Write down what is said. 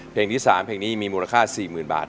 เพลงที่สามเพลงนี้มีมูลค่าสี่หมื่นบาท